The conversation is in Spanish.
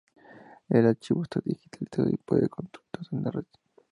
El archivo está digitalizado y puede consultarse en la red.